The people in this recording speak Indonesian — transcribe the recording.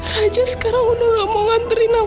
raja sekarang udah gak mau ngantriin aku